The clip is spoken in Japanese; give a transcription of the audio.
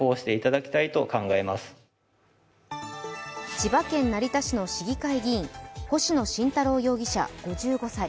千葉県成田市の市議会議員、星野慎太郎容疑者５５歳。